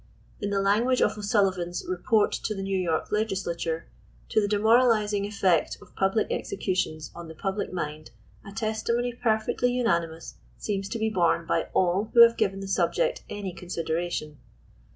In the language of O'Sullivan's Report to the New York Legislature, "to the demoralizing efTect of public executions on the public mind, a testimony perfectly unanimous seems to be borne by all who have given the subject any consideration."